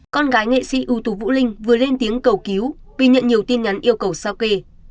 con gái nghệ sĩ ưu tú vũ linh vừa lên tiếng cầu cứu vì nhận nhiều tin nhắn yêu cầu sao kê